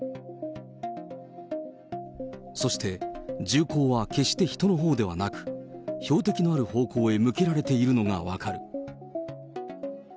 そして、銃口は決して人のほうではなく、標的のある方向へ向けられているのが分かる。